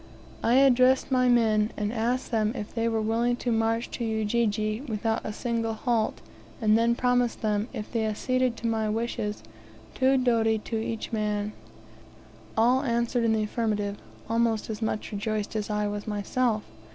I addressed my men, and asked them if they were willing to march to Ujiji without a single halt, and then promised them, if they acceded to my wishes, two doti each man. All answered in the affirmative, almost as much rejoiced as I was myself.